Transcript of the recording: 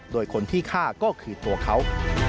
โดยคนที่ฆ่าก็คือตัวเขา